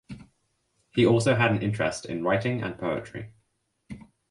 He also had an interest in writing and poetry.